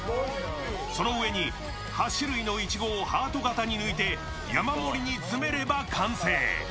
その上に８種類のいちごをハート形に抜いて山盛りに詰めれば完成。